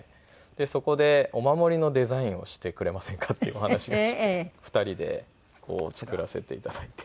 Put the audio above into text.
そこでお守りのデザインをしてくれませんかっていうお話が来て２人で作らせて頂いて。